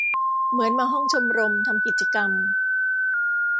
เหมือนมาห้องชมรม ทำกิจกรรม